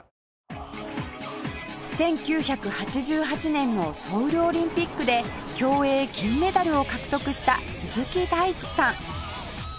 １９８８年のソウルオリンピックで競泳金メダルを獲得した鈴木大地さん